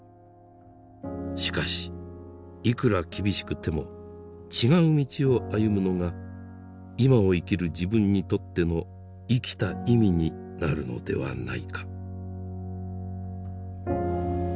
しかしいくら厳しくても違う道を歩むのが今を生きる自分にとっての「生きた意味」になるのではないか。